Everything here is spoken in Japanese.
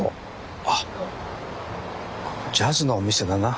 あっジャズのお店だな。